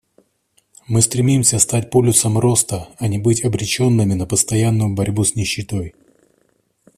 Мы стремимся стать полюсом роста, а не быть обреченными на постоянную борьбу с нищетой.